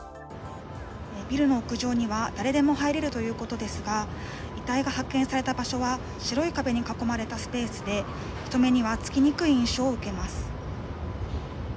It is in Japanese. ビルの屋上には誰でも入れるということですが遺体が発見された場所は白い壁に囲まれたスペースで人目にはつきにくい印象を受けます。